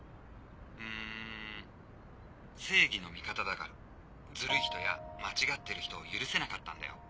うん正義の味方だからズルい人や間違ってる人を許せなかったんだよ